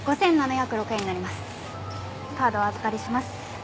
カードお預かりします。